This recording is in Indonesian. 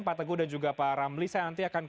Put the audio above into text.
pak teguh dan juga pak ramli saya nanti akan